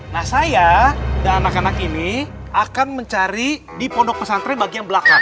nah saya dan anak anak ini akan mencari di pondok pesantren bagian belakang